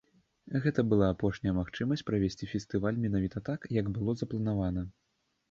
Гэта была апошняя магчымасць правесці фестываль менавіта так, як было запланавана.